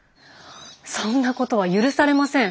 そんなことは許されません。